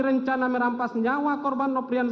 rencana merampas nyawa korban noprianto